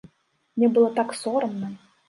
Мне было так сорамна.